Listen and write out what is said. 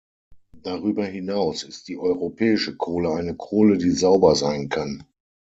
Darüber hinaus ist die europäische Kohle eine Kohle, die sauber sein kann.